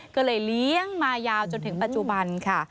ก็เลยเลี้ยงมายาวจนถึงปัจจุบันค่ะ